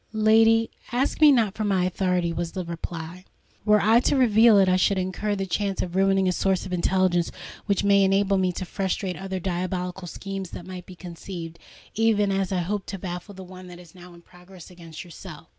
"Lady, ask me not for my authority," was the reply. "Were I to reveal it, I should incur the chance of ruining a source of intelligence which may enable me to frustrate other diabolical schemes that might be conceived, even as I hope to baffle the one that is now in progress against yourself.